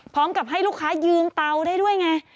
พร้อมกับให้ลูกค้ายืมเตาได้ด้วยไง